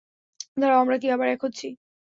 দাঁড়াও, আমরা কি আবার এক হচ্ছি?